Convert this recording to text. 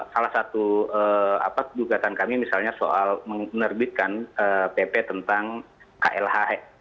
salah satu gugatan kami misalnya soal menerbitkan pp tentang klh